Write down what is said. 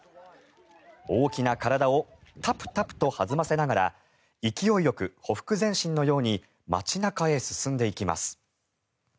大きな体をタプタプと弾ませながら勢いよく、ほふく前進のように街中へ進んでいきます。